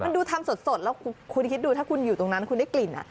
มันดูทำสดแล้วคุณคิดดูถ้าคุณอยู่ตรงนั้นคุณได้กลิ่น